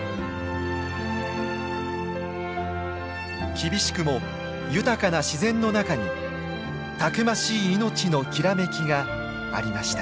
厳しくも豊かな自然の中にたくましい命のきらめきがありました。